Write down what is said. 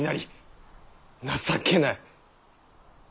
情けない！